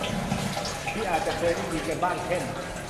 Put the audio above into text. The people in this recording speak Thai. ที่อาจะเคยได้ยินกันบ้างเช่น